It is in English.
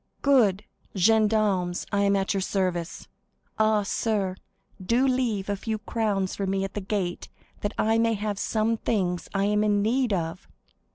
"Good! Gendarmes, I am at your service. Ah, sir, do leave a few crowns for me at the gate that I may have some things I am in need of!"